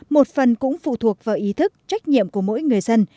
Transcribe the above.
một phần cũng phụ thuộc vào ý thức trách nhiệm của mỗi người dân